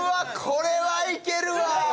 これは、いけるわ！